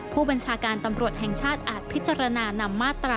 ผู้บัญชาการตำรวจแห่งชาติอาจพิจารณานำมาตรา๑